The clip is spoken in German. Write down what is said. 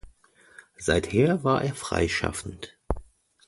Seither war er freischaffend.